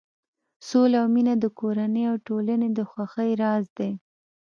سوله او مینه د کورنۍ او ټولنې د خوښۍ راز دی.